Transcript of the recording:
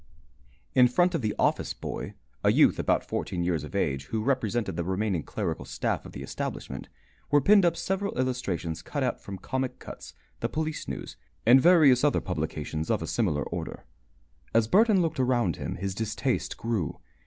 In front of the office boy a youth about fourteen years of age, who represented the remaining clerical staff of the establishment were pinned up several illustrations cut out from Comic Cuts, the Police News, and various other publications of a similar order. As Burton looked around him, his distaste grew.